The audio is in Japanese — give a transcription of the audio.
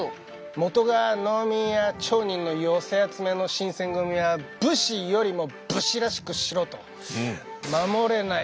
元が農民や町人の寄せ集めの新選組は武士よりも武士らしくしろと。